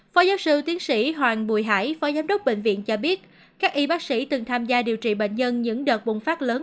phó giáo sư tiến sĩ hoàng bùi hải phó giám đốc bệnh viện cho biết các y bác sĩ từng tham gia điều trị bệnh nhân những đợt bùng phát lớn